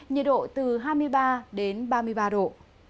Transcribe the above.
nhiệt độ từ hai mươi ba đến ba mươi ba độ